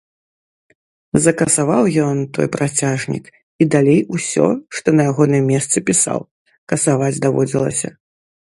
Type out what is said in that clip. Закасаваў ён той працяжнік і далей усё, што на ягоным месцы пісаў, касаваць даводзілася.